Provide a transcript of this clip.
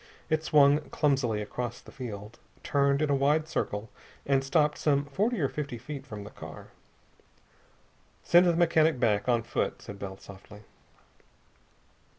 It swung clumsily across the field, turned in a wide circle, and stopped some forty or fifty feet from the car. "Send the mechanic back, on foot," said Bell softly.